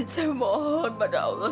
saya mohon pada allah